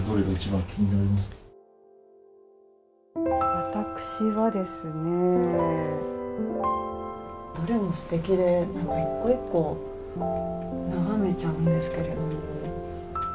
私はですね、どれもすてきで一個一個眺めちゃうんですけども。